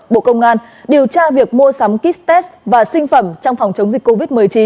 bộ công an điều tra việc mua sắm kit test và sinh phẩm trong phòng chống dịch covid một mươi chín